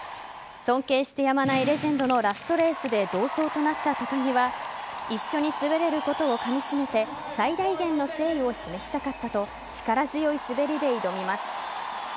尊敬してやまないレジェンドのラストレースで同走となった高木は一緒に滑れることをかみしめて最大限の誠意を示したかったと力強い滑りで挑みます。